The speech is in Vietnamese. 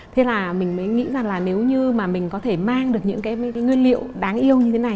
thế là mình mới nghĩ rằng là nếu như mà mình có thể mang được những cái nguyên liệu đáng yêu như thế này